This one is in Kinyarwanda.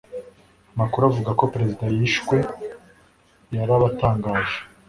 amakuru avuga ko perezida yishwe yarabatangaje